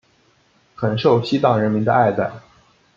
很受西藏人民的爱戴。